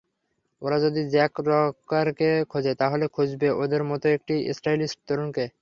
ওরা যদি জ্যাক রকারকে খোঁজে, তাহলে খুঁজবে ওদের মতোই একটি স্টাইলিস্ট তরুণকে।